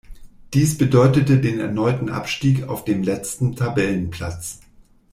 Dies bedeutete den erneuten Abstieg auf dem letzten Tabellenplatz.